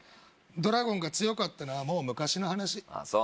ドラゴンが強かったのはもう昔の話ああ